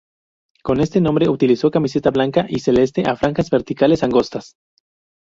Con este nombre, utilizó camiseta blanca y celeste a franjas verticales angostas.